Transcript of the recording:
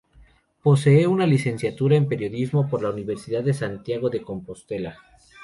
Posee una licenciatura en Periodismo por la Universidad de Santiago de Compostela.